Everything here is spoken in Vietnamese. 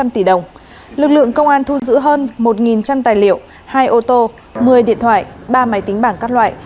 tỷ đồng lực lượng công an thu giữ hơn một một trăm linh tài liệu hai ô tô một mươi điện thoại ba máy tính bảng các loại